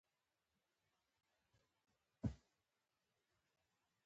یوازې یوه ډله هرات او کابل ته ورسېدل.